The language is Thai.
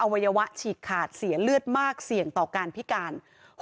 วัยวะฉีกขาดเสียเลือดมากเสี่ยงต่อการพิการ